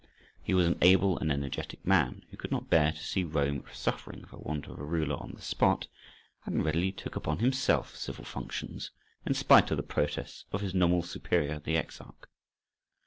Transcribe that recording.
He was an able and energetic man, who could not bear to see Rome suffering for want of a ruler on the spot, and readily took upon himself civil functions, in spite of the protests of his nominal superior the Exarch.